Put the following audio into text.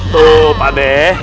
tuh pak d